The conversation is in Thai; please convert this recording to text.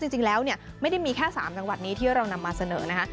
จริงแล้วเนี่ยไม่ได้มีแค่๓จังหวัดนี้ที่เรานำมาเสนอนะคะ